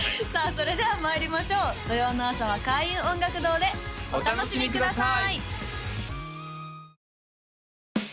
それではまいりましょう土曜の朝は開運音楽堂でお楽しみください！